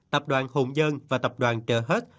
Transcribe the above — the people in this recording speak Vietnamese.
tập đoàn hùng dân và tập đoàn trở hết